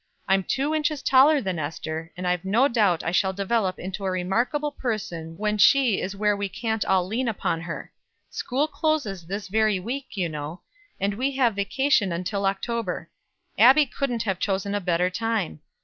I'm two inches taller than Ester, and I've no doubt I shall develop into a remarkable person when she is where we can't all lean upon her. School closes this very week, you know, and we have vacation until October. Abbie couldn't have chosen a better time.